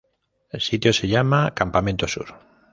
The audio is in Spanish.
El sitio se llama Campamento Sur.